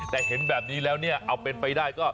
แต่เห็นแบบนี้แล้วเอาเป็นไปได้